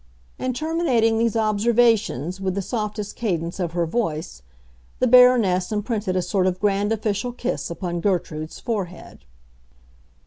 And terminating these observations with the softest cadence of her voice, the Baroness imprinted a sort of grand official kiss upon Gertrude's forehead.